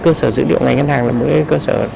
cơ sở dữ liệu ngành ngân hàng là một cơ sở